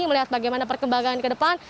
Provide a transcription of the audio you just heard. melihat bagaimana perkembangan ke depan